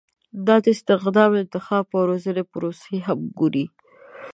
دا د استخدام، انتخاب او روزنې پروسې هم ګوري.